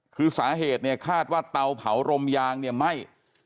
คือสาเหตุเนี่ยคาดว่าเตาเผารมยางเนี่ยไหม้